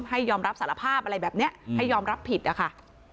ยอมรับสารภาพอะไรแบบนี้ให้ยอมรับผิดอะค่ะ